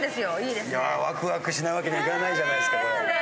いやわくわくしないわけにはいかないじゃないですかこれ。